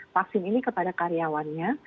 vaksin ini kepada karyawannya